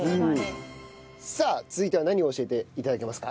さあ続いては何を教えて頂けますか？